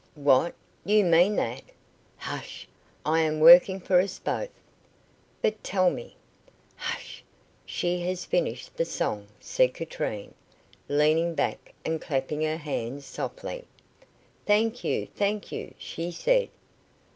"What? You mean that?" "Hush! I am working for us both." "But tell me " "Hush! She has finished the song," said Katrine, leaning back and clapping her hands softly. "Thank you, thank you," she said.